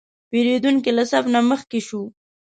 پیرودونکی له صف نه مخکې شو.